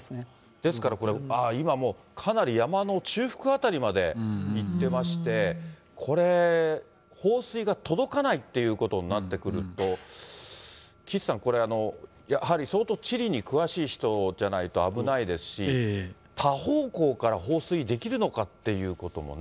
ですからこれ、ああ、今かなり山の中腹辺りまでいってまして、これ、放水が届かないっていうことになってくると、岸さん、これ、やはり相当地理に詳しい人じゃないと危ないですし、多方向から放水できるのかということもね。